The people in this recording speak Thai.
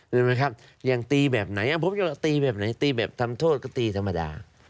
เห็นไหมครับอย่างตีแบบไหนตีแบบทำโทษก็ตีธรรมดา